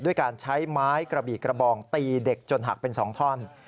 ด้วยการใช้ไม้กระบี่กระบองตีเด็กจนหักเป็น๒ท่อน